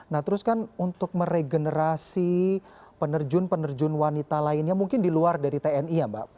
nah terus kan untuk meregenerasi penerjun penerjun wanita lainnya mungkin di luar dari tni ya mbak